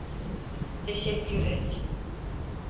Teşekkür et.